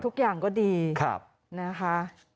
ทุกอย่างก็ดีนะคะ